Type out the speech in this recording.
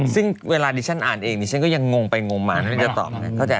ซึ่งเวลาดิฉันอ่านเองนี่ฉันก็ยังงงไปงงมาไม่ได้ตอบ